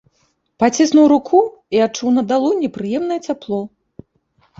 Паціснуў руку і адчуў на далоні прыемнае цяпло.